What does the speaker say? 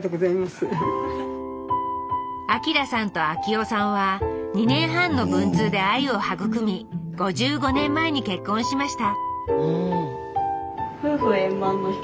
明さんと昭世さんは２年半の文通で愛を育み５５年前に結婚しました